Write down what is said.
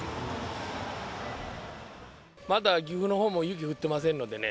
まだ岐阜のほうも雪降ってませんのでね。